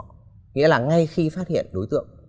nghĩa là ngay khi phát hiện đối tượng